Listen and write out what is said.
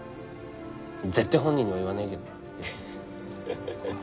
絶対本人には言わないけど。